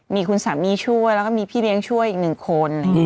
มีคุณสามีช่วยแล้วก็มีพี่เลี้ยงช่วยอีกหนึ่งคน